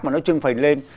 mà nó trưng phành lên